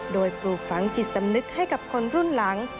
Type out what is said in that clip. โดยปลูกฝังจิตสำนึกให้กับคนรุ่นหลัง